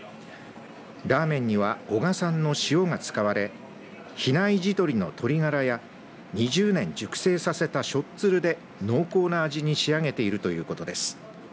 ラーメンには男鹿産の塩が使われ比内地鶏の鶏がらや２０年熟成させたしょっつるで濃厚な味に仕上げているということです。